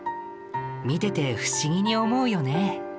見てて不思議に思うよね。